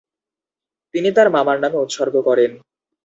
তিনি তার মামার নামে উৎসর্গ করেন।